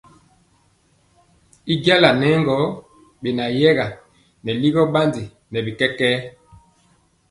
Y jala nɛ gɔ beyɛga nɛ ligɔ bandi nɛ bi kɛkɛɛ.